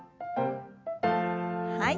はい。